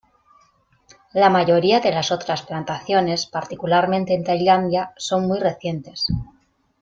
La mayoría de las otras plantaciones, particularmente en Tailandia, son muy recientes.